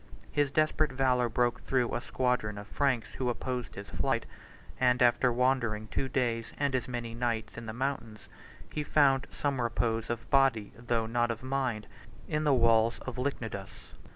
His desperate valor broke through a squadron of Franks who opposed his flight; and after wandering two days and as many nights in the mountains, he found some repose, of body, though not of mind, in the walls of Lychnidus.